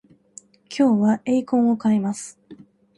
今日はエイコンを買います